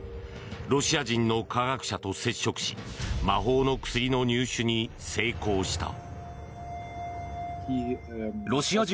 ロシア人の化学者と接触し魔法の薬の入手に成功した。